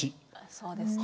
そうですね。